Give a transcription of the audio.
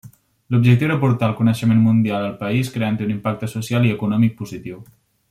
L'objectiu era portar el coneixement mundial al país creant-hi un impacte social i econòmic positiu.